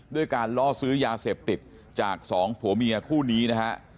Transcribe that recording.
ด้วยการล่อซื้อยาเสพติดจากสองผัวเมียคู่นี้นะฮะ